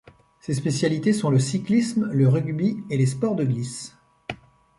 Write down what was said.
Ses spécialités sont le cyclisme, le rugby, et les sports de glisse.